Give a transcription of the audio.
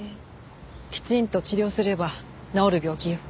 きちんと治療すれば治る病気よ。